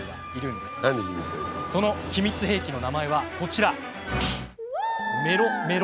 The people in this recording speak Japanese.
その秘密兵器の名前はこちら。